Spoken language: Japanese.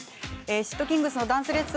シットキングスのダンスレッスン